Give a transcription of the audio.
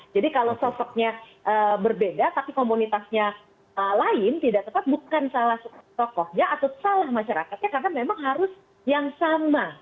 jadi kalau sosoknya berbeda tapi komunitasnya lain tidak tepat bukan salah tokohnya atau salah masyarakatnya karena memang harus yang sama